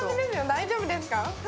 大丈夫ですか？